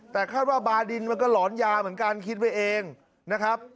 แต่คาดว่าบาดินมันก็หลอนยาเหมือนกันคิดไว้เองนะครับ